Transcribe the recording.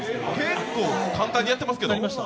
結構、簡単にやってますけど。